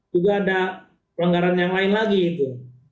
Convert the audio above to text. juga ada pelanggaran yang lain lagi itu